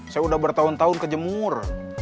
saya udah bertahun tahun kejemur